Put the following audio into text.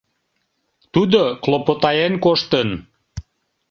Тудо клопотаен коштын.